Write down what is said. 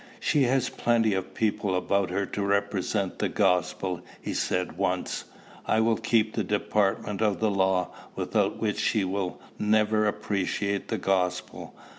"She has plenty of people about her to represent the gospel," he said once. "I will keep the department of the law, without which she will never appreciate the gospel.